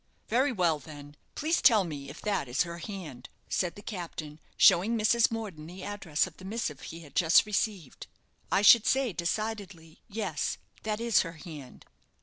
Very well, then, please tell me if that is her hand," said the captain showing Mrs. Morden the address of the missive he had just received. "I should say decidedly, yes, that is her hand."